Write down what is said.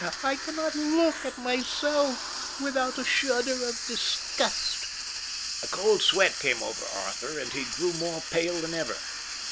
I cannot look at myself without a shudder of disgust." A cold sweat came over Arthur, and he grew more pale than ever.